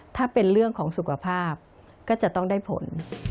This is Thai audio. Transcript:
ถ้าเป็นเรื่องของสุขภาพก็จะต้องได้ผล